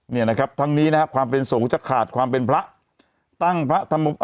เนี่ยนะครับทั้งนี้นะครับความเป็นโสงจักรขาดความเป็นพระ